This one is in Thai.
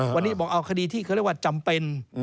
วันนี้บอกเอาคดีที่เขาเรียกว่าจำเป็น